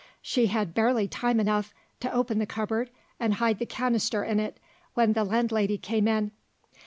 She had barely time enough to open the cupboard, and hide the canister in it when the landlady came in.